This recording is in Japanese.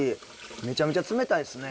めちゃめちゃ冷たいですね。